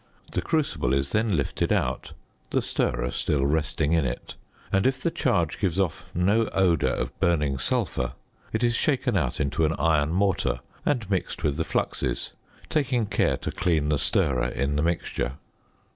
The crucible is then lifted out (the stirrer still resting in it) and if the charge gives off no odour of burning sulphur it is shaken out into an iron mortar and mixed with the fluxes, taking care to clean the stirrer in the mixture.